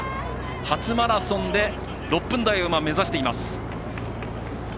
初マラソンで６分台を目指しています。